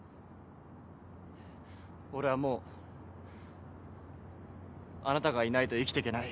俺はもうあなたがいないと生きていけない。